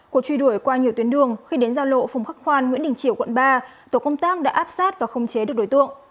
cuộc truy đuổi qua nhiều tuyến đường khi đến giao lộ phùng khắc khoan nguyễn đình triều quận ba tổ công tác đã áp sát và không chế được đối tượng